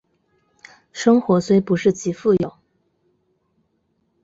生活虽不是极富有